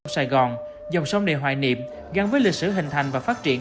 sông sài gòn dòng sông đề hoài niệm gắn với lịch sử hình thành và phát triển